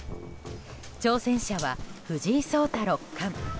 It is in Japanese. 挑戦者は藤井聡太六冠。